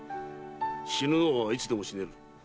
死ぬのはいつでも死ねる。